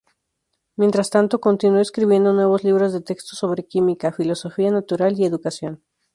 Mientras tanto, continuó escribiendo nuevos libros de texto sobre química, filosofía natural y educación.